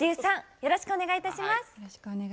よろしくお願いします。